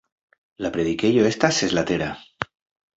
La predikejo estas seslatera.